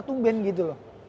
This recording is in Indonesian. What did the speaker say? tungben gitu loh